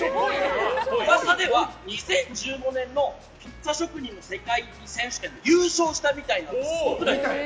噂では、２０１５年のピッツァ職人の世界選手権で優勝したみたいなんです。